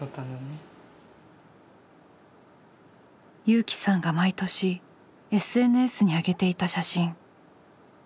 友紀さんが毎年ＳＮＳにあげていた写真。